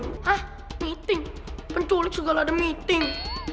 hah meeting penculik segala ada meeting